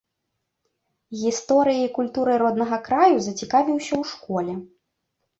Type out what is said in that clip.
Гісторыяй і культурай роднага краю зацікавіўся ў школе.